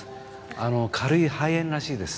あの軽い肺炎らしいです。